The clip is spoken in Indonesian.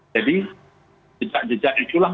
jadi jejak jejak itulah